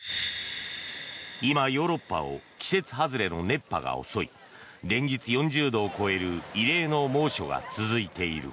今、ヨーロッパを季節外れの熱波が襲い連日４０度を超える異例の猛暑が続いている。